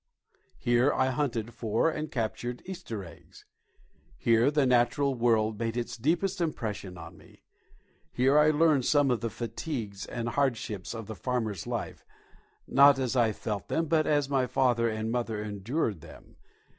Here I hunted for and captured Easter eggs. Here the natural world made its deepest impression on me. Here I learned some of the fatigues and hardships of the farmer's life not as I felt them, but as my father and mother endured them.